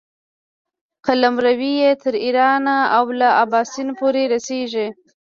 قلمرو یې تر ایرانه او له اباسین پورې رسېږي.